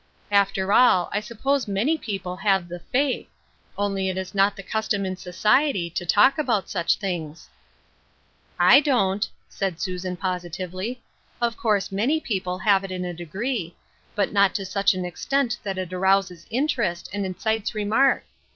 " After all, I suppose many people have the faith ; only it is not the custom in society to talk about such things '" I don't," answered Susan, positively. " Of Finding One's Calling, 181 course many people have it in a degree ; but not to such an extent that it arouses interest, and excites remark.